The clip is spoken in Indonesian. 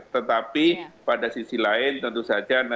tetapi pada sisi lain tentu saja